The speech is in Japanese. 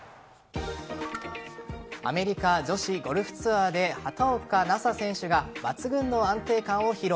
アメリカ女子ゴルフツアーで畑岡奈紗選手が抜群の安定感を披露。